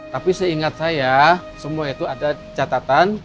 tapi seingat saya semua itu ada catatan